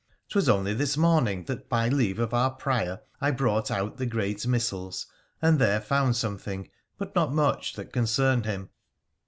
'Twas only this morning that by leave of our Prior I brought out the great missals, and there found Bomething, but not much, that concerned him.'